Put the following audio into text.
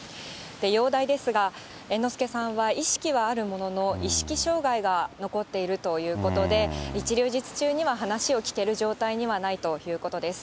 容体ですが、猿之助さんは意識はあるものの、意識障害が残っているということで、一両日中には話を聞ける状態にはないということです。